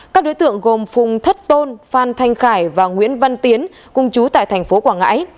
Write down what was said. các đối tượng gồm phùng thất tôn phan thanh khải và nguyễn văn tiến cùng chú tại thành phố quảng ngãi